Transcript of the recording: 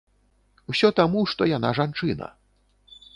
Усё таму, што яна жанчына.